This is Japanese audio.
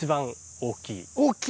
大きい？